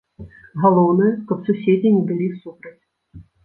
Галоўнае, каб суседзі не былі супраць.